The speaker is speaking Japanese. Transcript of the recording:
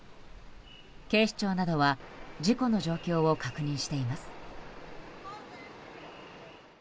警視庁などは事故の状況を確認しています。